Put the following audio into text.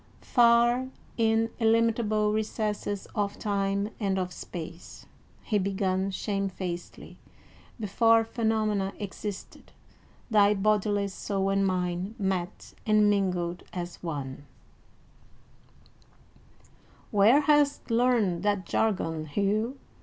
"Far in illimitable recesses of time and of space," he began shamefacedly, "before phenomena existed, thy bodiless soul and mine met and mingled as one" "Where hast learned that jargon, Hugh?"